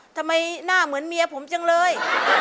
ทำไมหน้าเหมือนเมียผมจังเลย